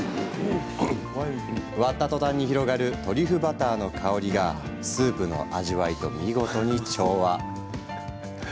割ったとたんに広がるトリュフバターの香りがスープの味わいと見事に調和。